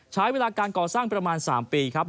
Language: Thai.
ใช้เวลาการก่อสร้างประมาณ๓ปีครับ